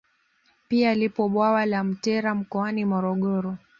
Pia lipo bwawa la Mtera mkoani Morogoro